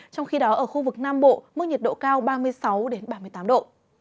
trong khi đó ở khu vực nam bộ mức nhiệt độ cao ba mươi sáu ba mươi tám độ